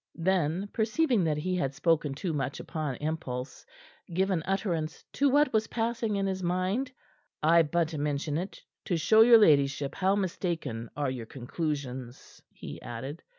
Then, perceiving that he had spoken too much upon impulse given utterance to what was passing in his mind "I but mention it to show your ladyship how mistaken are your conclusions," he added.